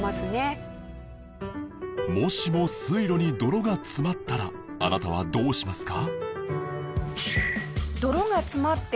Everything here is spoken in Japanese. もしも水路に泥が詰まったらあなたはどうしますか？